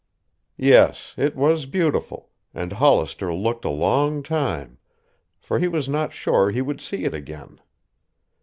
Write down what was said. Yes, it was beautiful and Hollister looked a long time, for he was not sure he would see it again.